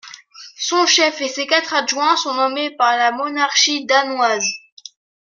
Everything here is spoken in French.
Son chef et ses quatre adjoints sont nommés par la Monarchie danoise.